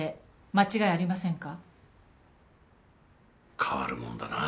間違いありませんか？